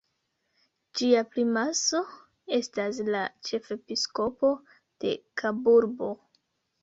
Ĝia primaso estas la ĉefepiskopo de Kaburbo.